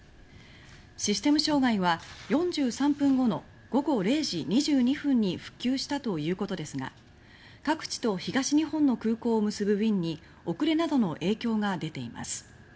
システム障害は４３分後の午後０時２２分に復旧したということですが各地と東日本の空港を結ぶ便に遅れなどの影響が出ています。